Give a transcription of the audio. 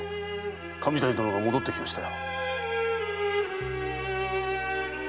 神谷殿が戻ってきましたよ。